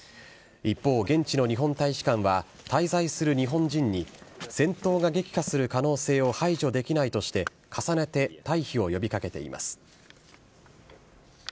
一方、現地の日本大使館は、滞在する日本人に戦闘が激化する可能性を排除できないとして、重ねて退避を呼びかけています。